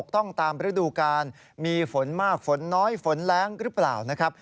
ต้องตามประดูกการมีฝนมากฝนน้อยฝนแรงหรือเปล่า